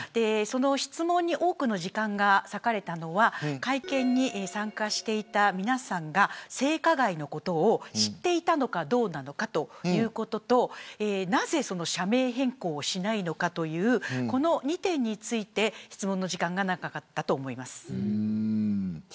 質問に多くの時間が割かれたのは会見に参加していた皆さんが性加害のことを知っていたのかどうなのかということとなぜ社名変更しないのかというこの二点について質問の時間が長かったと思います。